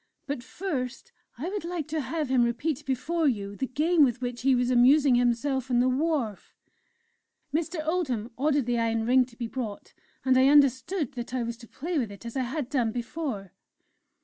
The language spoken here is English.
But first, I would like to have him repeat before you the game with which he was amusing himself on the wharf." Mr. Oldham ordered the Iron Ring to be brought, and I understood that I was to play with it as I had done before.